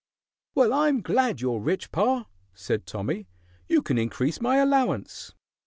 "Well, I am glad you're rich, pa," said Tommy; "you can increase my allowance."